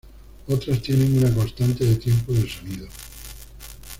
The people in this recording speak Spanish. Otras tienen una constante de tiempo del sonido.